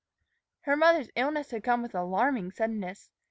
Her mother's illness had come with alarming suddenness.